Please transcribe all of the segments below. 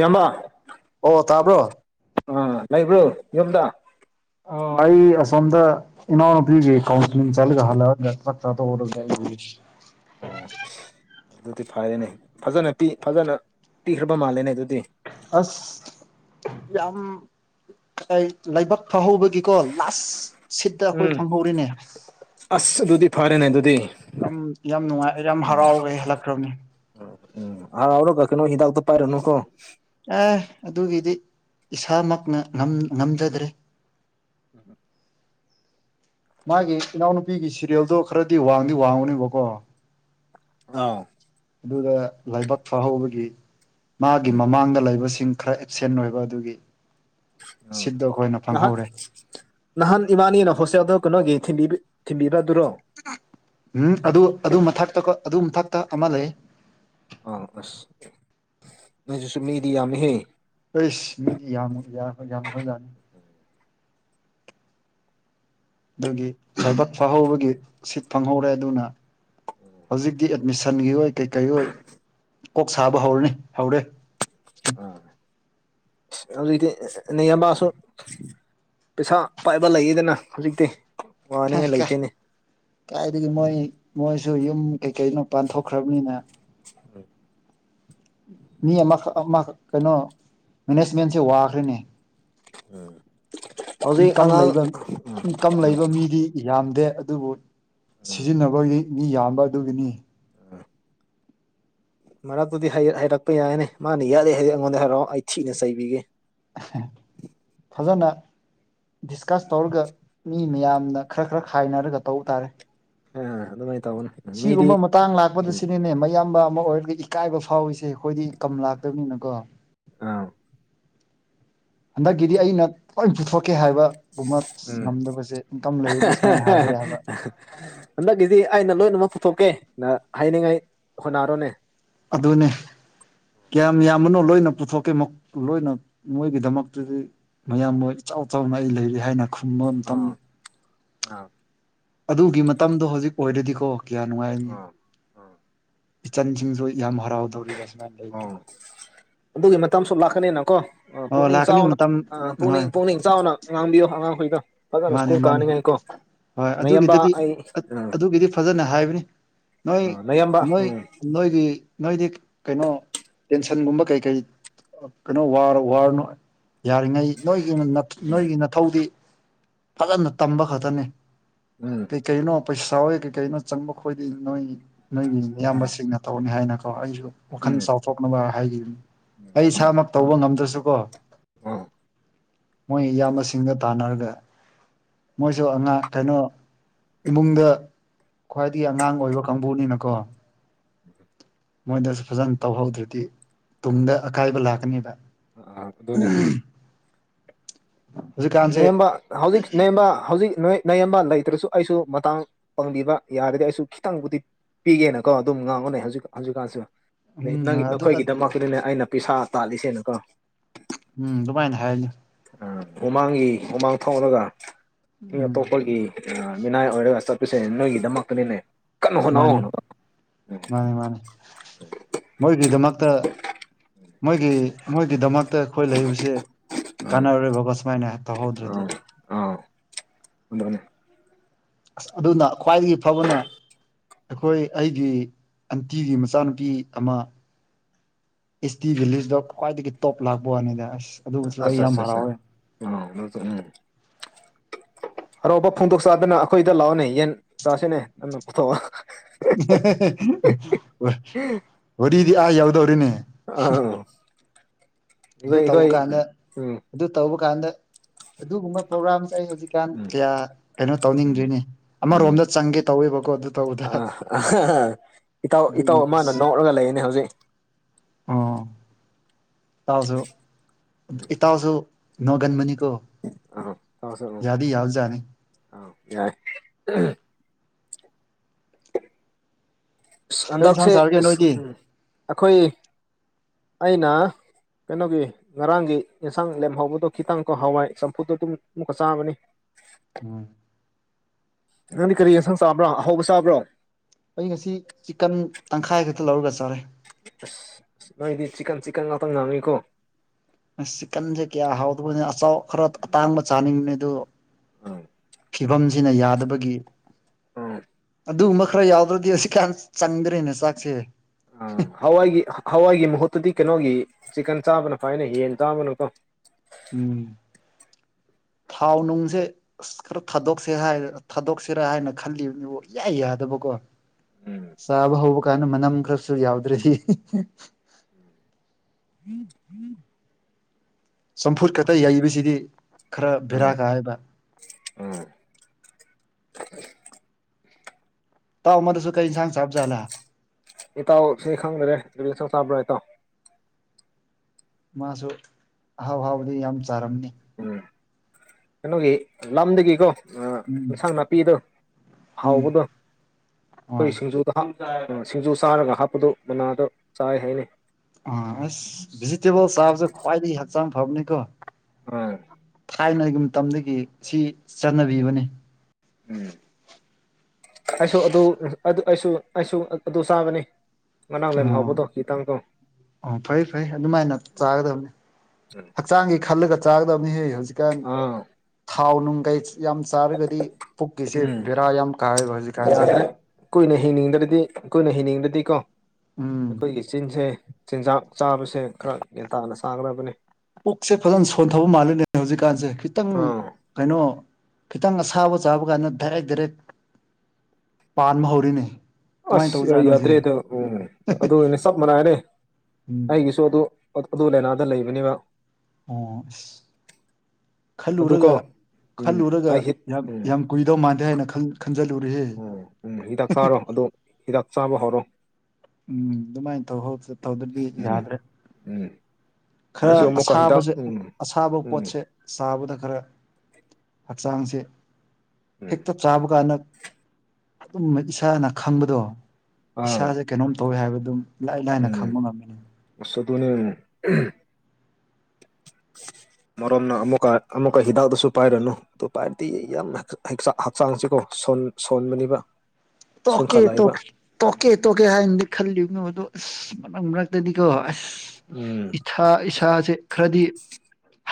ꯌꯥꯝꯕ ꯑꯣ ꯇꯥꯕ꯭ꯔꯣ ꯑ ꯂꯥꯏꯕ꯭ꯔꯣ ꯌꯝꯗ ꯑ ꯑꯁꯣꯝꯗ ꯏꯅꯥꯅ ꯄ ꯀꯥꯎꯟꯁ ꯆꯒ ꯍꯜ [inaudible] ꯎꯝ ꯑꯗꯨꯗꯤ ꯐꯔꯦꯅꯦ ꯐꯖꯅ ꯄꯤ ꯐꯖꯅ ꯄꯤꯈ꯭ꯔꯕ ꯃꯥꯜꯂꯦꯅꯦ ꯑꯗꯨꯗꯤ ꯑꯁ ꯌꯥꯝ ꯂꯕꯥꯛ ꯐꯍꯧꯕꯒꯤꯀꯣ ꯂꯥꯁ ꯁꯤꯠꯇ ꯑꯩꯈꯣꯏ ꯎꯝ ꯐꯪꯍꯧꯔꯤꯅꯦ ꯅꯦ ꯑꯗꯨꯗꯨꯗꯤ ꯌꯥꯝ ꯌꯥꯝ ꯅꯨꯡꯉꯥꯏ ꯌꯥꯝ ꯍꯔꯥꯎꯈꯦ ꯍꯂꯛꯈ꯭ꯔꯕꯅꯤ ꯎꯝ ꯍꯔꯥꯎꯔꯒ ꯀꯩꯅꯣ ꯍꯤꯗꯥꯛꯇꯣ ꯄꯥꯏꯔꯅꯨꯀꯣ ꯑꯦ ꯑꯗꯨꯒꯤꯗꯤ ꯏꯁꯥꯃꯛꯅ ꯉꯝꯖꯗ꯭ꯔꯦ ꯎꯝꯝ ꯃꯥꯒꯤ ꯏꯅꯥꯎꯅꯨꯄꯤꯒꯤ ꯁꯦꯔꯌꯦꯜꯗꯣ ꯈꯔꯗꯤ ꯋꯥꯡꯗꯤ ꯋꯥꯡꯉꯅꯦꯕꯀꯣ ꯑ ꯑꯗꯨꯗ ꯂꯥꯏꯕꯛ ꯐꯍꯧꯕꯒꯤ ꯃꯥꯒꯤ ꯃꯃꯥꯡꯗ ꯂꯩꯕꯁꯤ ꯆꯤꯡ ꯈꯔ ꯑꯦꯞꯁꯦꯟ ꯑꯣꯏꯕ ꯑꯗꯨꯒꯤ ꯎꯝ ꯁꯤꯠꯇꯣ ꯑꯩꯈꯣꯏꯅ ꯅꯍꯥꯟ ꯐꯪꯍꯧꯔꯦ ꯅꯍꯥꯟ ꯏꯕꯥꯅꯤꯅ ꯍꯣꯁꯦꯜꯗ ꯀꯩꯅꯣꯒꯤ ꯊꯤꯟꯕꯤꯕꯗꯨꯔꯣ ꯑꯗꯨꯝ ꯐꯛꯇ ꯑꯃ ꯂꯩ ꯑꯥ ꯑꯁ ꯅꯁꯨꯁꯨ ꯃꯤꯗꯤ ꯌꯥꯝꯃꯤꯍꯦ ꯑꯦꯁ ꯃꯤꯗꯤ ꯌꯥꯝ ꯌꯥ ꯍ ꯌꯥꯝ ꯍꯖꯅꯤ ꯑꯗꯨꯒꯤꯕꯠ ꯐꯥꯍꯧꯕꯒꯤ ꯁꯤꯠ ꯐꯪꯍꯧꯔꯦ ꯑꯗꯨꯅ ꯍꯧꯖꯤꯛꯇꯤ ꯃꯤꯁꯟꯒꯤ ꯑꯣꯏ ꯀꯩꯀꯩ ꯑꯣꯏ ꯀꯣꯛ ꯁꯥꯕ ꯍꯧꯔꯅꯤ ꯍꯧꯔꯦ ꯎꯝ ꯍꯧꯖꯤꯛꯇꯤ ꯅꯌꯥꯝꯕꯥꯁꯨ ꯄꯩꯁꯥ ꯄꯥꯏꯕ ꯂꯩꯌꯦꯗꯅ ꯍꯧꯖꯤꯛꯇꯤ ꯋꯥꯅꯤꯡꯉꯥꯏ ꯂꯩꯇꯦꯅꯦ ꯀꯥꯏꯗꯒꯤ ꯃꯣꯏ ꯃꯣꯏꯁꯨ ꯌꯨꯝ ꯀꯩ ꯀꯩꯅꯣ ꯄꯥꯟꯊꯣꯛ ꯈ꯭ꯔꯕꯅꯤꯅ ꯎꯝ ꯃꯤ ꯑꯃꯈꯛ ꯑꯃ ꯀꯩꯅꯣ ꯃꯦꯅꯦꯖꯃꯦꯟꯁꯦ ꯋꯥꯈ꯭ꯔꯦꯅꯦ ꯎꯝ ꯏꯟꯀꯝ ꯂꯩꯕ ꯏꯟꯀꯝ ꯂꯩꯕ ꯃꯤꯗꯤ ꯌꯥꯝꯗꯦ ꯑꯗꯨꯕꯨ ꯁꯤꯖꯤꯟꯅꯕꯒꯤ ꯃꯤ ꯌꯥꯝꯕ ꯑꯗꯨꯒꯤꯅꯤ [inaudible] ꯃꯔꯛꯇꯨꯗꯤ ꯍꯥꯏꯩꯔꯛꯄ ꯌꯥꯏꯅꯦ ꯃꯥꯅ ꯌꯥꯠꯂꯦ ꯍꯥꯏꯗꯤ ꯑꯩꯉꯣꯟꯗ ꯍꯥꯏꯔꯛꯑꯣ ꯑꯩ ꯊꯤꯅ ꯆꯩꯕꯤꯒꯦ ꯐꯖꯅ ꯗꯤꯁꯀꯁ ꯇꯧꯔꯒ ꯃꯤ ꯃꯌꯥꯝꯅ ꯈꯔ ꯈꯔ ꯈꯥꯏꯅꯔꯒ ꯇꯧꯕ ꯇꯥꯔꯦ ꯑ ꯑꯗꯨ ꯁꯤꯒꯨꯝꯕ ꯃꯇꯥꯡ ꯂꯥꯛꯄꯗ ꯁꯤꯅꯤꯅꯦ ꯃꯌꯥꯝꯕ ꯑꯃ ꯑꯣꯏꯔꯒꯗꯤ ꯏꯀꯥꯏꯕ ꯐꯥꯎꯏꯁꯦ ꯑꯩꯈꯣꯏꯗꯤ ꯀꯝ ꯂꯥꯛꯇꯕꯅꯤꯅꯀꯣ ꯑꯥ ꯍꯟꯗꯛꯀꯤꯗꯤ ꯑꯩꯅ ꯂꯣꯏ ꯄꯨꯊꯣꯛꯀꯦ ꯍꯥꯏꯕ ꯎꯝ ꯁꯨꯃꯥꯏꯅ ꯍꯥꯏꯕ ꯌꯥꯕ ꯍꯟꯗꯛꯀꯤꯗꯤ ꯑꯩꯅ ꯂꯣꯏ ꯃꯛ ꯄꯨꯊꯣꯛꯀꯦ ꯅ ꯍꯥꯏꯅꯤꯡꯉꯥꯏ ꯍꯣꯠꯅꯔꯣꯅꯦ ꯑꯗꯨꯅꯦ ꯀꯌꯥꯝ ꯌꯥꯝꯕꯅꯣ ꯂꯣꯏꯅ꯫ ꯄꯨꯊꯣꯛꯀꯦ ꯂꯣꯏꯅ ꯃꯣꯏꯒꯤꯗꯃꯛꯇꯗꯤ ꯃꯌꯥꯝ ꯃꯣꯏ ꯏꯆꯥꯎ ꯆꯥꯎꯅ ꯑꯩ ꯂꯩꯔꯤ ꯍꯥꯏꯅ ꯈꯨꯝꯕ ꯃꯇꯝ ꯑꯥ ꯑꯥ ꯑꯗꯨꯒꯤ ꯃꯇꯝꯗꯣ ꯍꯧꯖꯤꯛ ꯑꯣꯏꯔꯗꯤꯀꯣ ꯀꯌꯥ ꯅꯨꯡꯉꯥꯏꯔꯅꯤ ꯑꯥ ꯏꯆꯟꯁꯤꯡꯁꯨ ꯌꯥꯝ ꯍꯔꯥꯎꯗꯧꯔꯤꯕ ꯁꯨꯃꯥꯏꯅ ꯂꯩꯔꯗꯤ ꯑꯣ ꯑꯗꯨꯒꯤ ꯃꯇꯝ ꯁ ꯂꯥꯛꯀꯅꯤꯅ ꯀꯣ ꯑꯣ ꯄꯨꯛꯅꯤꯡ ꯂꯥꯛꯀꯅꯤ ꯆꯥꯎꯅ ꯃꯇꯝ ꯑ ꯍꯣꯏ ꯄꯨꯛꯅꯤꯡ ꯄꯨꯛꯅꯤꯡ ꯆꯥꯎꯥꯎꯅ ꯉꯥꯡꯕꯤꯌꯣ ꯑꯉꯥꯡꯈꯕꯤꯌ ꯃꯥꯅꯤ ꯃꯥꯅꯤ ꯍꯣꯏ ꯅꯌꯥꯝꯕ ꯑꯗꯨꯒꯤꯗꯨꯗꯤ ꯑꯩ ꯑꯥ ꯑꯗꯨꯒꯤꯗꯤ ꯐꯖꯅ ꯍꯥꯏꯕꯅꯤ ꯅꯣꯏ ꯑꯥ ꯅꯌꯥꯝꯕ ꯅꯣꯏ ꯎꯝ ꯅꯣꯏꯒꯤ ꯅꯣꯏꯗꯤ ꯀꯩꯅꯣ ꯇꯦꯟꯁꯟꯒꯨꯝꯕ ꯀꯩ ꯀꯔꯤ ꯀꯩꯅꯣ ꯋꯥꯔ ꯋꯥꯔꯅ ꯌꯥꯔꯤꯉꯩ ꯅꯣꯏꯒꯤ ꯎꯝ ꯅꯣꯏꯒꯤ ꯅꯊꯧꯗꯤ ꯐꯖꯅ ꯇꯝꯕ ꯈꯛꯇꯅꯦ ꯀꯩ ꯀꯩꯅꯣ ꯄꯩꯁꯥ ꯀꯩ ꯀꯩꯅꯣ ꯆꯪꯕ ꯈꯣꯏꯗ ꯅꯣꯏ ꯅꯣꯏꯒꯤ ꯃꯤꯌꯥꯝꯕꯁꯤꯡꯅ ꯇꯧꯅꯤ ꯍꯥꯏꯅꯀꯣ ꯑꯩꯁꯨ ꯋꯥꯈꯜ ꯎꯝ ꯆꯥꯎꯊꯣꯛꯅꯕ ꯍꯥꯏꯈꯤꯕ ꯎꯝ ꯑꯩ ꯏꯁꯥꯃꯛ ꯇꯧꯕ ꯉꯝꯗ꯭ꯔꯁꯨꯀꯣ ꯎꯝ ꯃꯣꯏ ꯏꯌꯥꯝꯕ ꯃꯁꯤꯡꯒ ꯇꯥꯟꯅꯔꯒ ꯃꯣꯏꯁꯨ ꯑꯉꯥꯡ ꯀꯩꯅꯣ ꯏꯃꯨꯡꯗ ꯈ꯭ꯋꯥꯏ ꯗꯤ ꯑꯉꯥꯡ ꯑꯣꯏꯕ ꯀꯥꯡꯕꯨꯅꯤꯅꯀꯣ ꯃꯣꯏꯗꯁꯨ ꯐꯖꯅ ꯇꯧꯍꯧꯗ꯭ꯔꯗꯤ ꯑꯥ ꯇꯨꯡꯗ ꯑꯀꯥꯏꯕ ꯂꯥꯛꯀꯅꯦꯕ ꯑꯥ ꯑꯗꯨꯅꯤ ꯍꯧꯖꯤꯛꯀꯥꯟꯁꯦ ꯅꯌꯥꯝꯕ ꯍꯧꯖꯤꯛ ꯅꯦꯝꯕ ꯍꯧꯖꯤꯛ ꯅ ꯅꯦꯝꯕ ꯂꯩꯇ꯭ꯔꯁꯨ ꯑꯩꯁꯨ ꯃꯇꯥꯡ ꯄꯥꯡꯕꯤꯕ ꯌꯥꯔꯗꯤ ꯑꯩꯁꯨ ꯈꯤꯇꯪꯕꯨꯗꯤ ꯄꯤꯒꯦꯅꯀꯣ ꯑꯗꯨꯝ ꯉꯥꯡꯉꯅꯦ ꯍꯧꯖꯤꯛ ꯍꯧꯖꯤꯛꯀꯥꯟꯁꯨ ꯎꯝ ꯅꯪꯒꯤ ꯑꯗꯨ ꯅꯈꯣꯏꯒꯤꯗꯃꯛꯇꯗꯅꯦ ꯑꯩꯅ ꯄꯩꯁꯥ ꯇꯥꯜꯂꯤꯁꯦꯅꯀꯣ ꯎꯝ ꯑꯗꯨꯃꯥꯏꯅ ꯍꯥꯏ ꯃꯃꯥꯡꯒꯤ ꯃꯃꯥꯡ ꯊ ꯊꯣꯛꯂꯒ ꯃꯤ ꯎꯝ ꯑꯇꯣꯞꯄꯒꯤ ꯃꯤꯅꯥꯏ ꯑꯣꯏꯔꯒ ꯆꯠꯄꯨꯁꯦ ꯅꯣꯏꯒꯤꯗꯃꯛꯇꯅꯤꯅꯦ ꯀꯟꯅ ꯍꯣꯠꯅꯧ ꯍꯅ ꯃꯥꯅꯤ ꯃꯥꯅꯤ ꯃꯣꯏꯒꯤꯗꯃꯛꯇ ꯃꯣꯏꯒꯤ ꯃꯣꯏꯒꯤ ꯙꯃꯛ ꯑ ꯑꯩꯈꯣꯏ ꯂꯩꯕꯁꯤꯦ ꯀꯥꯟꯅꯔꯕꯒ ꯁꯨꯃꯥꯏꯅ ꯇꯧꯍꯧꯗ꯭ꯔꯗꯤ ꯑꯗꯨꯗꯅꯤ ꯑꯁ ꯑꯗꯨꯅ ꯈ꯭ꯋꯥꯏꯗꯒꯤ ꯐꯕꯅꯦ ꯑꯩꯈꯣꯏ ꯑꯩꯒꯤ ꯑꯟꯇꯤꯒꯤ ꯃꯆꯥꯅꯨꯄꯤ ꯑꯃ ꯏꯁꯁ ꯇꯤ ꯗ ꯀꯋꯥꯗꯒꯤ ꯇꯣꯞ ꯂꯥꯛꯕꯅꯤꯗ ꯑꯆꯥ ꯑꯆꯥ ꯑ ꯎ ꯍꯔꯥꯎꯕ ꯐꯣꯡꯗꯣꯛ ꯆꯥꯗꯅ ꯑꯩꯈꯣꯏꯗ ꯂꯥꯛꯑꯣꯅꯦ ꯌꯦꯟ ꯆꯥꯁꯤꯅꯦ ꯅꯪꯅ ꯄꯨꯊꯣꯛꯑ ꯋꯥꯔꯤꯗꯤ ꯑꯥ ꯌꯥꯎꯗꯧꯔꯤꯅꯦ ꯑꯥ ꯑꯗꯨ ꯇꯧꯕ ꯀꯥꯟꯗ ꯎꯝ ꯑꯗꯨ ꯇꯧꯕ ꯀꯥꯟꯗ ꯑꯗꯨꯒꯨꯝꯕ ꯄ꯭ꯔꯣꯒ꯭ꯔꯥꯝ ꯑꯩ ꯍꯧꯖꯤꯛꯀꯥꯟ ꯎꯝ ꯀꯌꯥ ꯀꯩꯅꯣ ꯎꯝ ꯇꯧꯅꯤꯡꯗ꯭ꯣꯏꯅꯦ ꯎꯝ ꯑꯃꯔꯣꯝꯗ ꯆꯪꯒꯦ ꯇꯧꯋꯦꯕꯀꯣ ꯑꯗꯨ ꯇꯧꯕꯗ ꯏꯇꯧ ꯏꯇꯧ ꯑꯗꯨꯒꯤ ꯑꯃꯅ ꯑꯁ ꯅꯣꯛꯂꯒ ꯂꯩꯌꯦꯅꯤ ꯍꯧꯖꯤꯛ ꯑꯣ ꯇꯁꯨ ꯇꯁꯨ ꯅꯒꯟꯃꯅꯤ ꯑꯣ ꯌꯥꯗꯤ ꯌꯥꯎꯖꯥꯅꯤ ꯑ ꯌꯥꯏ ꯑ ꯀꯩ ꯍꯟꯗꯛꯁꯦ ꯏꯟꯁꯥꯡ ꯆꯥꯔꯒꯦ ꯑꯁ ꯅꯣꯏꯗꯤ ꯎ ꯑꯩꯈꯣꯏ ꯑꯩꯅ ꯀꯩꯅꯣꯒꯤ ꯉꯔꯥꯡꯒꯤ ꯌꯦꯟꯁꯥꯡ ꯂꯦꯝꯍꯧꯕꯗꯣ ꯈꯤꯇꯪꯀ ꯍꯋꯥꯏ ꯆꯝꯐꯨꯗꯣ ꯑꯗꯨꯝ ꯑꯃꯨꯛꯀ ꯆꯥꯕꯅꯤ ꯑꯣ ꯅꯪꯗꯤ ꯀꯔꯤ ꯌꯦꯟꯁꯪ ꯆꯥꯕ꯭ꯔꯣ ꯑꯍꯧꯕ ꯆꯥꯕ꯭ꯔꯣ ꯑꯩ ꯉꯁꯤ ꯆꯤꯛꯀꯟ ꯇꯪꯈꯥꯏ ꯈꯛꯇ ꯂꯧꯔꯒ ꯆꯥꯔꯦ ꯑꯁ ꯅꯣꯏꯗꯤ ꯆꯤꯛꯀꯟ ꯆꯤꯛꯀꯟ ꯉꯥꯛꯇꯥ ꯉꯥꯡꯅꯤꯀꯣ ꯑꯥꯁ ꯆꯤꯛꯀꯟꯁꯤ ꯀꯌꯥ ꯍꯥꯎꯗꯕꯅꯤ ꯑꯆꯥꯎ ꯈꯔ ꯑꯇꯥꯡꯕ ꯆꯥꯅꯤꯡꯕꯅꯤ ꯑꯗꯨꯗꯣ ꯎꯝ ꯐꯤꯕꯝꯁꯤꯅ ꯌꯥꯗꯕꯒꯤ ꯅꯤ ꯎꯝꯝ ꯑꯗꯨꯒꯨꯝꯕ ꯈꯔ ꯌꯥꯎꯗ꯭ꯔꯗꯤ ꯍꯧꯖꯤꯛ ꯀꯥꯟ ꯆꯪꯗ꯭ꯔꯦꯅꯦ ꯆꯥꯛꯁꯦ ꯑꯑ ꯍꯋꯥꯏꯒꯤ ꯍꯋꯥꯏꯒꯤ ꯃꯍꯨꯠꯇꯒꯤ ꯀꯩꯅꯣꯒꯤ‌‍‌‌ ꯆꯤꯛꯀꯟ ꯆꯥꯕꯅ ꯐꯩ ꯅꯥ ꯌꯦꯟ ꯆꯥꯕꯅꯥꯀꯣ ꯎꯝꯝ ꯊꯥꯎ ꯅꯨꯡꯁꯦ ꯑꯁ ꯈꯔ ꯊꯥꯗꯣꯛꯁꯦ ꯊꯥꯗꯣꯛꯁꯤꯔꯥ ꯍꯥꯏꯅ ꯈꯜꯂꯤꯕꯅꯤ ꯀꫭ ꯏꯌꯥ ꯌꯥꯗꯕꯀꯣ ꯎꯝ ꯆꯥꯕ ꯍꯧꯕ ꯒꯥꯟꯗ ꯃꯅꯝ ꯈꯔꯁꯨ ꯌꯥꯎꯗ꯭ꯔꯕꯗꯤ꯫ ꯎꯝ [inaudible] ꯎꯝ ꯎꯝ [inaudible] ꯆꯝꯐꯨꯠ ꯈꯛꯇ ꯌꯩꯕꯁꯤꯗꯤ ꯈꯔ ꯕꯦꯔꯥ ꯀꯥꯏꯌ°ꯕ ꯑꯥꯝ ꯏꯇꯥꯎ ꯑꯃ ꯗꯨꯁꯨ ꯀꯩ ꯏꯟꯁꯥꯡ ꯁꯆꯥꯕꯖꯂꯥ ꯏꯇꯥꯎ ꯑꯩ ꯈꯪꯗ꯭ꯔꯦ ꯀꯔꯤ ꯑꯁꯥꯡ ꯆꯥꯕꯔ ꯃꯥꯁꯨ ꯑꯍꯥꯎ ꯑꯍꯥꯎꯕꯗꯤ ꯌꯥꯝꯅ ꯆꯥꯔꯝꯅꯤ꯫ ꯎꯝ ꯀꯩꯅꯣꯒꯤ ꯂꯝꯗꯒꯤ ꯀꯣ ꯎꯝ ꯏꯟꯁꯥꯡ ꯅꯥꯄꯤꯗꯣ ꯎꯝ ꯍꯥꯎꯕꯗꯣ ꯍꯣꯏ ꯑꯩꯈꯣꯏ ꯁꯤꯡꯖꯨꯗ ꯍꯥꯎꯅꯕꯗꫭ ꯁꯤꯡꯖꯨ ꯆꯥꯔꯒꯥ ꯍꯥꯞꯄꯗꯨꯅ ꯃꯅꯥꯗ ꯆꯥꯏ ꯍꯥꯏꯅꯤ ꯑꯥꯁ ꯚꯦꯖꯤꯇꯦꯕꯜ ꯆꯥꯕꯁꯤ ꯈ꯭ꯋꯥꯏꯗꯒꯤ ꯍꯛꯆꯥꯡ ꯐꯕꯅꯤꯀꯣ ꯑꯥ ꯊꯥꯏꯅꯒꯤ ꯃꯇꯝꯗꯒꯤ ꯃꯁꯤ ꯆꯥꯟꯅꯔꯕꯅꯤ ꯎꯝ ꯑꯩꯁꯨ ꯑꯗꯨ ꯑꯗꯨ ꯑꯩꯁꯨ ꯑꯩꯁꯨ ꯑ ꯑꯗꯨ ꯆꯥꯕꯅꯤ ꯃꯅꯥꯎꯅ ꯍꯦꯟꯅꯥ ꯑꯣ ꯍꯥꯎꯕꯗꯣ ꯈꯤꯇꯪꯗꯣ ꯑꯣ ꯐꯩ ꯐꯩ ꯑꯗꯨꯃꯥꯏꯅ ꯆꯥꯒꯗꯕꯅꯤ ꯍꯛꯆꯥꯡꯒꯤ ꯈꯜꯂꯒ ꯆꯥꯒꯗꯕꯅꯤꯍꯦ ꯍꯧꯖꯤꯛꯀꯥꯟ ꯑꯥ ꯊꯥꯎ ꯅꯨꯡ ꯀꯩ ꯌꯥꯝ ꯆꯥꯔꯒꯗꯤ ꯄꯨꯛꯀꯤꯁꯦ ꯎꯝ ꯕꯦꯔꯥ ꯌꯥꯝ ꯀꯥꯏꯌꯦꯕ ꯍꯧꯖꯤꯛꯀꯥꯟꯖꯦ ꯌꯥꯗ꯭ꯔꯦ ꯀꯨꯏꯅ ꯍꯤꯡꯅꯤꯡꯗ꯭ꯔꯗꯤ ꯀꯨꯏꯅ ꯍꯤꯡꯅꯤꯡꯗꯗꯤꯀꫭ ꯎꯝ ꯑꯩꯈꯣꯏꯒꯤ ꯆꯤꯟꯖꯦ ꯆꯤꯟꯖꯥꯛ ꯆꯥꯕꯁꯦ ꯈꯔ ꯒ꯭ꯌꯥꯟ ꯇꯥꯅ ꯆꯥꯒꯗꯕꯅꯦ ꯄꯨꯛꯁꯦ ꯐꯖꯅ ꯁꯣꯟꯊꯕ ꯃꯥꯜꯂꯤꯅꯦ ꯍꯧꯖꯤꯛꯀꯥꯟꯁꯦ ꯈꯤꯇꯪ ꯀꯩꯅꯣ ꯈꯤꯇꯪ ꯑꯁꯥꯕ ꯆꯥꯕ ꯀꯥꯟꯗꯅꯥ ꯗꯥꯏꯔꯦꯛ ꯗꯥꯏꯔꯦꯛ ꯄꯥꯟꯕ ꯍꯧꯔꯦꯅꯦ ꯑꯁ ꯑꯩ ꯌꯥꯗ꯭ꯔꯦꯗ ꯎꯝ ꯑꯗꯨꯅꯦ ꯆꯞ ꯃꯥꯟꯅꯔꯦ ꯎꯝ ꯑꯩꯒꯤꯁꯨ ꯑꯗꯨ ꯑ ꯑꯗꯨ ꯂꯩꯅꯥꯗ ꯂꯩꯕꯅꯦꯕ ꯑꯣ ꯑꯁ ꯈꯜꯂꯨꯔꯒ ꯑꯗꯨꯀꯣ ꯎꯝ ꯈꯜꯂꯨꯔꯒ ꯑꯩ ꯍꯤꯠ ꯌꯥꯝ ꯎꯝ ꯌꯥꯝ ꯀꯨꯏꯗꯧ ꯃꯥꯟꯗꯦ ꯍꯥꯏꯅ ꯈꯜ ꯎꯝ ꯎꯝ ꯍꯤꯗꯥꯛ ꯆꯥꯔꯣ ꯑꯗꯨ ꯍꯤꯗꯥꯛ ꯆꯥꯕ ꯍꯧꯔꯣ ꯎꯝꯝ ꯑꯗꯨꯃꯥꯏ ꯇꯧꯍꯧ ꯇꯧꯗ꯭ꯔꯗꯤ ꯎꯝ ꯌꯥꯗ꯭ꯔꯦ ꯎꯝ ꯈꯔ ꯑꯩꯁꯨ ꯑꯃꯨꯛꯀ ꯍꯤꯗꯥꯛ ꯑꯁꯥꯕꯖꯦ ꯎꯝ ꯑꯁꯥꯕ ꯎꯝ ꯄꯣꯠꯁꯦ ꯆꯥꯕꯗ ꯈꯔ [inaudible] ꯍꯛꯆꯥꯡꯁꯤ ꯎꯝ ꯍꯦꯛꯇ ꯆꯥꯕ ꯀꯥꯟꯗꯥ ꯑꯗꯨꯝ ꯏꯁꯥꯅ ꯈꯪꯕꯗꯣ ꯑꯪ ꯏꯁꯥꯁꯦ ꯀꯩꯅꯣꯝ ꯇꯧꯋꯦ ꯍꯥꯏꯕꯗꯨ꯫ ꯏꯔꯥꯏ ꯂꯥꯏꯅ ꯎꯝ ꯈꯪꯕ ꯉꯝꯃꯤ ꯑꯁ ꯑꯗꯨꯅꯦ [inaudible] ꯃꯔꯨꯞꯝꯅ ꯑꯃꯨꯛꯀ ꯑꯃꯨꯛꯀ ꯍꯤꯗꯥꯛꯇꯨ ꯄꯥꯏꯔꯅꯨ ꯑꯗꯨ ꯄꯥꯏꯔꯗꯤ ꯌꯥꯝ ꯍꯛꯆꯥꯡꯁꯤ ꯀꯣ ꯁꯣꯟ ꯁꫭꯟꯕꯅꯤꯕ ꯇꯣꯛꯀꯦ ꯇꯣꯛꯀꯦ ꯇꯣꯛꯀꯦ ꯇꯣꯛꯀꯦ ꯍꯥꯏꯅꯗꯤ ꯈꯜꯂꯤꯕꯅꯤ ꯑꯗꯨ ꯑꯁ ꯃꯅꯝꯒꯗꯨꯗꯤꯀꫭ ꯑꯁ ꯎꯝ ꯏꯊꯥ ꯏꯁꯥꯁꯦ ꯈꯔꯗꯤ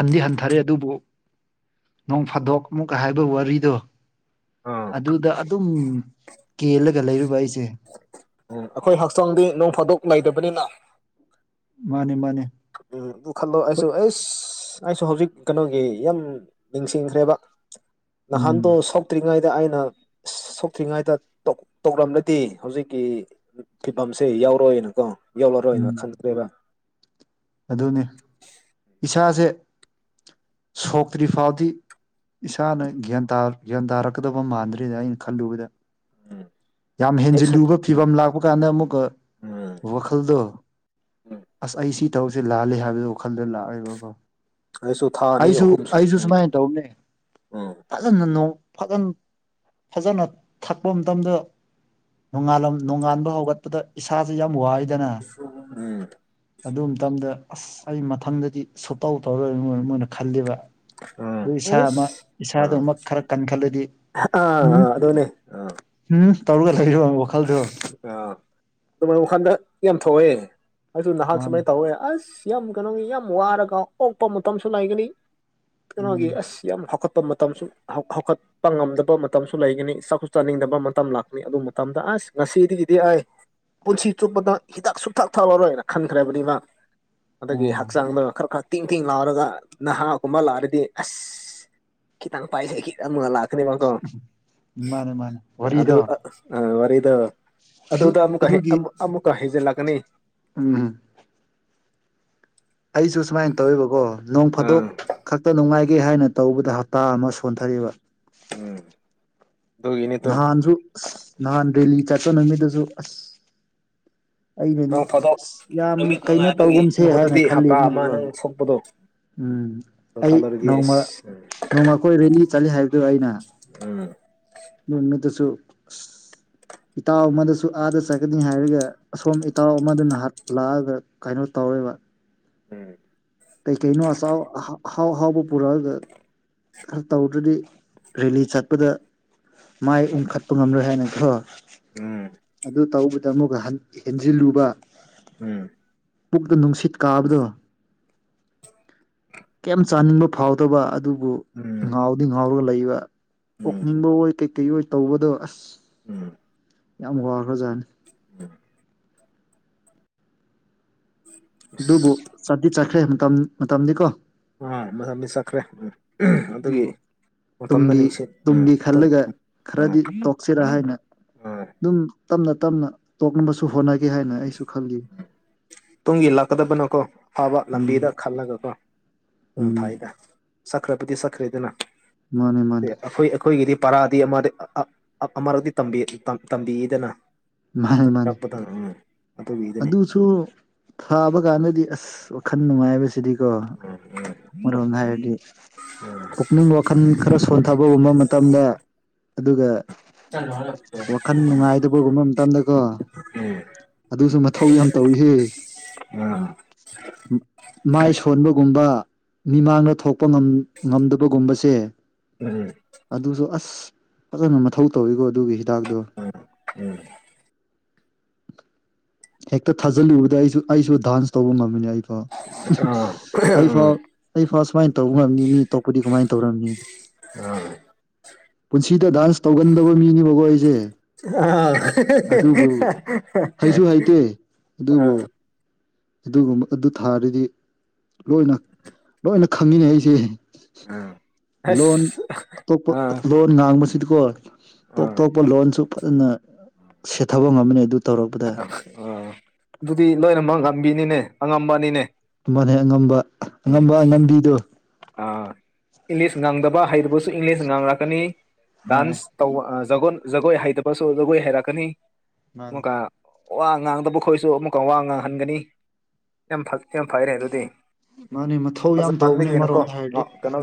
ꯍꯟꯗꯤ ꯍꯟꯊꯔꯦ ꯑꯗꯨꯕꯨ ꯅꯣꯡ ꯐꯥꯗꯣꯛ ꯑꯃꯨꯛꯀ ꯍꯥꯏꯕ ꯋꯥꯔꯤꯗꯣ ꯑꯥ ꯑꯗꯨꯗ ꯑꯗꯨꯝ ꯀꯦꯜꯂꯒ ꯂꯩꯔꯨꯕ ꯑꯩꯁꯦ ꯎꯝ ꯑꯩꯈꯣꯏ ꯍꯛꯆꯥꯡꯗꯤ ꯅꯣꯡ ꯐꯥꯗꯣꯛ ꯂꯩꯇꯕꯅꯤꯅ ꯃꯥꯅꯤ ꯃꯥꯅꯤ ꯎꯝ ꯑꯗꯨ ꯈꯜꯂꫭ ꯑꯩꯁꯨ ꯑꯁ ꯑꯩꯁꯨ ꯍꯧꯖꯤꯛ ꯀꯩꯅꯣꯒꯤ ꯌꯥꯝ ꯅꯤꯡꯁꯤꯡꯈ꯭ꯔꯦꯕ ꯎꯝ ꯅꯍꯥꯟꯗꯣ ꯁꯣꯛꯇ꯭ꯔꯤꯉꯩ ꯗꯨꯑꯩꯅ ꯁꯣꯛꯇ꯭ꯔꯤꯉꯩꯗ ꯇꯧ ꯇꯧꯔꯝꯂꯇꯤ ꯍꯧꯖꯤꯛꯀꯤ ꯐꯤꯕꯝꯁꯦ ꯌꯥ ꯌꯥꯎꯔꯣꯏꯅ ꯀꯣ ꯌꯧꯂꯔꯣꯏꯅ ꯈꯟꯇ꯭ꯔꯦꯕ ꯑꯗꯨꯅꯤ ꯏꯁꯥꯁꯦ ꯁꯣꯛꯇ꯭ꯔꯤ ꯐꯥꯎꯗꯤ ꯏꯁꯥꯅ ꯒ꯭ꯌꯥꯟꯇ ꯒ꯭ꯌꯥꯟ ꯇꯥꯔꯛꯀꯗꯕ ꯃꯥꯟꯗ꯭ꯔꯦꯗ ꯑꯩꯅ ꯈꯜꯂꯨꯕꯗ ꯎꯝ ꯌꯥꯝ ꯍꯦꯛ ꯁꯣꯛ ꯍꯦꯟꯖꯤꯜꯂꯨꯕ ꯐꯤꯕꯝ ꯂꯥꯛꯄ ꯀꯥꯟꯗ ꯑꯃꯨꯛꯀ ꯎꯝ ꯋꯥꯈꯜꯗꯣ ꯎꯝ ꯑꯁ ꯑꯩ ꯁꯤ ꯇꯧꯁꯦ ꯂꯥꯜꯂꯦ ꯍꯥꯏꯕꯗꯣ ꯋꯥꯈꯜꯗ ꯂꯥꯛꯑꯦꯕꯀꯣ ꯑꯩꯁꯨ ꯊꯥ ꯑꯅꯤ ꯑꯩꯁꯨ ꯑꯍꯨꯝ ꯁꯨ ꯑꯩꯁꯨ ꯎꯝ ꯁꯨꯃꯥꯏꯅ ꯇꯧꯕꯅꯦ ꯎꯝ ꯐꯖꯅ ꯅꯣ ꯐꯖꯟ ꯐꯖꯅ ꯊꯛꯄ ꯃꯇꯝꯗ ꯅꯣꯡꯉꯥꯂꯝ ꯅꯣꯡꯉꯥꯟꯕ ꯍꯧꯒꯠꯄꯗ ꯏꯁꯥꯁꯦ ꯌꯥꯝ ꯋꯥꯏ ꯎꯝ ꯑ ꯑꯁ ꯑꯩ ꯃꯊꯪꯗꯗꯤ ꯁꯨꯇꯧ ꯇꯧꯔꯣꯏꯅ ꯃꫭꯏꯅ ꯃꯣꯏꯅ ꯈꯜꯂꯤꯕ ꯎꯝ ꯑꯗꯨ ꯏꯁꯥ ꯑꯃ ꯏꯁꯥꯗꯨ ꯑꯃ ꯈꯔ ꯀꯟꯈꯠꯂꯗꯤ ꯎꯝ ꯑꯥꯥ ꯑꯗꯨꯅꯤ ꯎꯝ ꯇꯧꯔ ꯂꯩꯔꫭ ꯋꯥꯈꯜꯗꯨ ꯑꯥ ꯑꯗꯨꯃꯥꯏ ꯋꯥꯈꯜꯗ ꯌꯥꯝ ꯊꯣꯛꯑꯦ ꯑꯩꯖꯨ ꯅꯍꯥꯟ ꯃꯥꯅꯦ ꯁꯨꯃꯥꯏ ꯇꯧꯋꯦ ꯑꯁ ꯌꯥꯝ ꯀꯩꯅꯣꯒꯤ ꯌꯥꯝ ꯋꯥꯔꯒ ꯑꯣꯛꯄ ꯃꯇꯝꯁꯨ ꯂꯩꯒꯅꯤ ꯀꯩꯅꯣꯒꯤ ꯎꯝ ꯑꯁ ꯌꯥꯝ ꯍꯧꯈꯠ ꯃꯇꯝꯁꯨ ꯍꯧ ꯍꯧꯒꯠꯄ ꯉꯝꯗꯕ ꯃꯇꯝꯁꯨ ꯂꯩꯒꯅꯤ ꯆꯥꯛꯁꯨ ꯆꯥꯅꯤꯡꯗꯕ ꯃꯇꯝ ꯂꯥꯛꯀꯅꯤ ꯑꯗꯨ ꯃꯇꯝꯗ ꯑꯁ ꯉꯁꯤꯗꯤꯒꯤꯗꯤ ꯑꯩ ꯄꯨꯟꯁꯤ ꯆꯨꯞꯄꯗ ꯍꯤꯗꯥꯛ ꯁꯨꯡꯊꯛ ꯊꯛ ꯑꯔꯣꯏꯅ ꯈꯟꯈ꯭ꯔꯕꯅꯤ ꯃꯥ ꯑꯗꯒꯤ ꯑꯣ ꯍꯛꯆꯥꯡꯗ ꯈꯔꯛ ꯈꯔꯛ ꯇꯤꯡ ꯇꯤꯡ ꯂꯥꯎꯔꯒ ꯅꯍꯥꯒꯨꯝꯕ ꯂꯥꯛꯔꯗꯤ ꯑꯁ ꯈꯤꯇꯪ ꯄꯥꯏꯖꯦ ꯈꯤꯠ ꯑꯃ ꯂꯥꯛ ꯈꯨꯗꯤꯡꯃꯛꯇꫭ ꯃꯥꯅꯦ ꯃꯥꯅꯦ ꯑꯗꯨ ꯋꯥꯔꯤꯗꯣ ꯑ ꯋꯥꯔꯤꯗ ꯑꯗꯨ ꯑꯗꯨꯗ ꯑꯃꯨꯛ ꯑꯗꯨꯒꯤ ꯑꯃꯨꯛꯀ ꯍꯩꯖꯤꯜꯂꯛꯀꯅꯤ ꯎꯝ ꯑꯩꯁꯨ ꯁꯨꯃꯥꯏꯅ ꯇꯧꯋꯕꯀꯣ ꯅꯣꯡ ꯑꯥ ꯐꯥꯗꯣꯛ ꯈꯛꯇ ꯅꯨꯡꯉꯥꯏꯦ ꯒꯦ ꯍꯥꯏꯅ ꯇꯧꯕꯗ ꯍꯞꯇꯥ ꯑꯃ ꯁꯣꯟꯊꯔꯤꯕ ꯎꯝ ꯑꯗꯨꯒꯤꯅꯤꯇꯣ ꯅꯍꯥꯟꯁꯨ ꯑꯁ ꯅꯍꯥꯟ ꯗꯦꯂꯤ ꯆꯠꯄ ꯅꯨꯃꯤꯠꯇꯁꯨ ꯑꯁ ꯑꯩꯅꯗꯤ ꯅꯣꯡ ꯐꯥꯗꯣꯛ ꯌꯥꯝ ꯅꯨꯃꯤꯠ ꯀꯩꯅꯣ ꯅꯨꯡꯉꯥꯏꯕꯒꯤ ꯇꯧꯒꯨꯝꯁꯦ ꯍꯥꯏꯅ ꯃꯍꯨꯠꯇꯗꯤ ꯍꯞꯇꯥ ꯑꯃ ꯈꯜꯂꯤꯕꯅꯦꯕꯀꯣ ꯅꯪ ꯁꯣꯛꯄꯗꯣ ꯎꯝ ꯑꯗꯨ ꯑꯩ ꯈꯜꯂꯨꯔꯗꯤ ꯅꯣꯡꯃ ꯑꯁ ꯅꯣꯡꯃꯈꯣꯏ ꯔꯦꯂꯤ ꯆꯠꯂꯤ ꯍꯥꯏꯕꯗꯨ ꯑꯩꯅ ꯎꯝ ꯃꯅ ꯇꯁꯨ ꯏꯇꯥꯎ ꯑꯃꯗꯁꯨ ꯑꯥꯗ ꯆꯠꯀꯅꯤ ꯍꯥꯏꯔꯒ ꯑꯁꯣꯝ ꯏꯇꯥꯎ ꯑꯃꯗꯅ ꯂꯥꯛꯑꯒ ꯀꯩꯅꯣ ꯇꯧ ꯍꯣꯏꯕ ꯎꯝ ꯀꯩ ꯀꯩꯩꯅꯣ ꯑꯁꯥꯎ ꯍꯥꯎ ꯍꯥꯎꯕ ꯄꯨꯔꯛ ꯈꯔ ꯇꯧꯗ꯭ꯔꯗꯤ ꯔꯦꯂꯤ ꯆꯠꯄꯗ ꯃꯥꯏ ꯎꯝ ꯎꯪꯈꯠꯄ ꯉꯝꯂꯣꯏ ꯍꯥꯏꯅꯠꯇꯔꫭ ꯎꯝ ꯑꯗꯨ ꯇꯧꯕ ꯗ ꯑꯃꯨꯛꯀ ꯍꯟ ꯍꯦꯟꯖꯤꯜꯂꯨꯕ ꯎꯝ ꯄꯨꯛꯇ ꯅꯨꯡꯁꯤꯠ ꯀꯥꯕꯗꯣ ꯀꯩꯝ ꯆꯥꯅꯤꯡꯕ ꯐꯥꯎꯗꯕ ꯑꯗꯨ ꯑꯗꯨꯕꯨ ꯎꯝ ꯉꯥꯎꯗꯤ ꯉꯥꯎꯔꯒ ꯂꯩꯕ ꯎꯝ ꯅꯤꯡꯕ ꯑꯣꯏ ꯀꯩꯀꯩ ꯑꯣꯏ ꯇꯧꯕꯗꯣ ꯑꯁ ꯎꯝ ꯌꯥꯝ ꯋꯥꯈ꯭ꯔꯖꯥꯠꯅꯤ ꯎꯝ ꯑꯗꯨꯕꯨ ꯑꯁ ꯆꯗꯤꯤ ꯆꯠꯈ꯭ꯔꯦ ꯃꯇꯝ ꯃꯇꯝꯗꯤ ꯀꯣ ꯑ ꯃ ꯃꯤ ꯆꯈ꯭ꯔꯦ ꯎ ꯌꯕ ꯇꯨꯡꯒꯤ ꯅꯤꯡꯁꯤꯡ ꯎꯝ ꯇꯨꯡꯒꯤ ꯇꯨꯡ ꯈꯜꯂꯒ ꯈꯔꯗꯤ ꯎꯝ ꯇꯣꯛꯁꯤꯔꯥ ꯍꯥꯏꯅ ꯎꯝ ꯑꯗꯨꯝ ꯇꯞꯅ ꯇꯞꯅ ꯇꯣꯛꯅꯕꯁꯨ ꯍꯣꯠꯅꯒꯦ ꯍꯥꯏꯅ ꯑꯩꯁꯨ ꯈꯜꯂꯤ ꯇꯨꯡꯒꯤꯜꯂꯥꯛꯀꯗꯕꯅꯀꯣ ꯐꯥꯕ ꯂꯝꯕꯤꯗ ꯎꯝ ꯈꯜꯂꯒꯀꯣ ꯎ ꯎꯝ ꯐꯥꯏꯗ ꯁꯛꯈ꯭ꯔꯕꯨꯗꯤ ꯁꯛꯈ꯭ꯔꯦꯗꯅ ꯃꯥꯅꯦ ꯃꯥꯅꯤ ꯑꯩꯈꯣꯏꯒꯤꯗꯤ ꯄꯔꯥꯗꯤ ꯑꯃꯔꯛꯇꯤ ꯇꯝꯕꯤꯗꯅ ꯃꯥꯅꯦ ꯃꯥꯅꯦ ꯇꯠꯇꯥꯄꯗ ꯑꯗꯨꯁꯨ ꯊꯥꯕ ꯀꯥꯟꯗꯗꯤ ꯑꯁ ꯋꯥꯈꯜ ꯅꯨꯡꯉꯥꯏꯕꯁꯤꯗꯤꯀꯣ ꯎꯝ ꯃꯝ ꯍꯥꯏꯥꯏꯗꯤ ꯄꯨꯛꯅꯤꯡ ꯋꯥꯈꯜ ꯈꯔ ꯁꯣꯟꯊꯕꯒꯨꯝꯕ ꯃꯇꯝꯗ ꯑꯗꯨꯒ ꯆꯠꯣ ꯍꯂ ꯗꯀꯣ ꯑꯗꯨꯁꯨ ꯃꯊꯧ ꯌꯥꯝ ꯇꯧꯏꯍ ꯃꯥꯏ ꯁꯣꯟꯕꯒꯨꯝ ꯥꯡꯗ ꯊꯣꯛ ꯉꯝꯗꯕꯒꯨꯝꯕꯁ ꯎꯝ ꯎꯝ ꯑꯗꯨꯁꯨ ꯑ ꯑꯁ ꯐꯖꯅ ꯃꯊꯧ ꯇꯧꯋꯀꯣ ꯑꯗꯨꯒꯤ ꯍꯤꯗꯥꯛꯇꯣ ꯎꯝ ꯍꯦꯛꯇ ꯊꯥꯖꯤꯜꯂꯨꯕꯗ ꯑꯩꯁꯨ ꯑꯩꯁꯨ ꯗꯥꯟꯁ ꯇꯧꯕ ꯉꯝꯃꯤꯅꯦ ꯑꯩ ꯑꯗꯣ ꯎꯝ ꯎꯝ ꯑꯥ ꯑꯩ ꯐꯥꯎ ꯎꯝ ꯑꯩ ꯐꯥꯎ ꯁꯨꯃꯥꯏꯅ ꯇꯧ ꯉꯝꯅꯤ ꯃꯤ ꯇꯣꯞꯄꯗꯤ ꯀꯃꯥꯏꯅ ꯇꯧꯔꯝꯅꯤ ꯎꯝ ꯄꯨꯟꯁꯤꯗ ꯗꯥꯟꯁ ꯇꯧꯒꯟꯗꯕ ꯃꯤꯅꯦꯕꯀꯣ ꯑꯩꯁꯦ ꯑꯥ ꯑꯗꯨꯕꯨ ꯍꯩꯁꯨ ꯍꯩꯇꯦ ꯑꯗꯨꯕꯨ ꯑꯥ ꯑꯗꯨꯒꯨꯝꯕ ꯑꯗꯨ ꯊꯥꯔꯗꯤ ꯂꯣꯏꯅ ꯂꯣꯏꯅ ꯈꯪꯉꯤꯅꯦ ꯑꯩꯁꯦ ꯑꯥ ꯂꯣꯟꯣꯟ ꯑꯁ ꯑꯇꯣꯞꯄ ꯑꯥ ꯂꯣꯟ ꯉꯥꯡꯕꯁꯤ ꯣ ꯇꯣꯞ ꯑꯥ ꯇꯣꯞꯄ ꯂꯣꯟꯁꯨ ꯐꯖꯅ ꯁꯦꯊꯕ ꯉꯝꯃꯅꯤ ꯑꯗꯨ ꯇꯧꯔꯛꯄꯗ ꯑꯥ ꯑꯗꯨꯗꯤ ꯂꯣꯏꯅꯃꯛ ꯉꯝꯕꯤꯅꯤꯅꯦ ꯑꯉꯝꯕꯅꯤꯅꯦ ꯃꯅꯦ ꯑꯉꯝꯕ ꯎꯝ ꯑꯉꯝꯕ ꯑꯉꯝꯕꯤꯗꯨꯣ ꯑꯥ ꯏꯪꯂꯤꯁ ꯉꯥꯡꯗꯕ ꯍꯩꯇꯕꯁꯨ ꯏꯪꯂꯤꯁ ꯉꯥꯡꯔꯛꯀꯅꯤ ꯃꯥꯅꯦ ꯗꯥꯟꯁ ꯇꯧꯕ ꯖꯒꯣꯏ ꯖꯒꯣꯏ ꯍꯩꯇꯕꯁꯨ ꯖꯒꯣꯏ ꯍꯥꯏꯩꯔꯛꯀꯅꯤ ꯃꯥꯅꯦ ꯋꯥ ꯉꯥꯡꯗꯕ ꯈꯣꯏꯁꯨ ꯑꯃꯨꯛꯀ ꯋꯥ ꯉꯥꯡꯍꯟꯒꯅꯤ ꯌꯥꯝ ꯌꯥꯝ ꯐꯩꯔꯦ ꯑꯗꯨꯗꯤ ꯃꯥꯅꯦ ꯃꯊꯧ ꯐꯁ ꯌꯥꯝ ꯇꯧꯕꯅꯦ ꯃꯒꯤ ꯅꯀꯣ ꯑꯃꯔꯣꯝꯗ ꯍꯥꯏꯔꯗꯤ ꯀꯩꯅꯣ